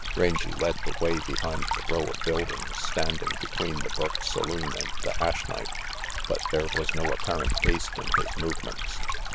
Rangy led the way behind the row of buildings standing between the Burke saloon and the Hash Knife, but there was no apparent haste in his movements.